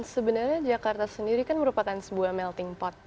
sebenarnya jakarta sendiri kan merupakan sebuah melting pot